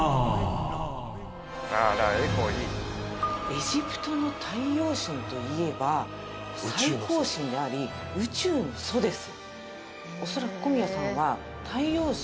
エジプトの太陽神といえば最高神であり宇宙の祖です。